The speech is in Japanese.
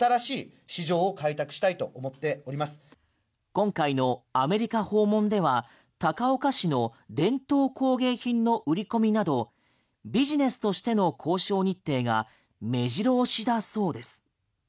今回のアメリカ訪問では高岡市の伝統工芸品の売り込みなどビジネスとしての交渉日程が目白押しだそうです。